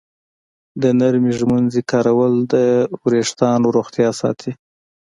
د نرمې ږمنځې کارول د ویښتانو روغتیا ساتي.